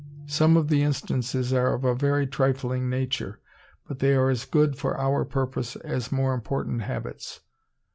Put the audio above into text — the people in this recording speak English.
Some of the instances are of a very trifling nature, but they are as good for our purpose as more important habits.